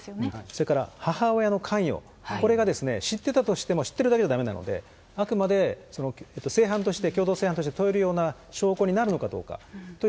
それから、母親の関与、これがですね、知ってたとしても、知ってるだけじゃだめなので、あくまで、正犯として共同正犯として問えるような証拠になるのかどうかとい